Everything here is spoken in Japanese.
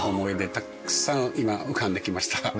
たくさん今浮かんできました。